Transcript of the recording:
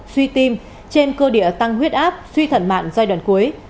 suy tim trên cơ địa tăng huyết áp suy thận mạng giai đoạn cuối